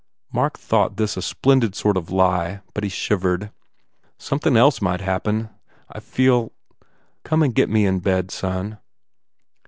Mark thought this a splendid sort of lie but he shivered. "Somethin else might happen. I feel. ... Come and get me in bed, son."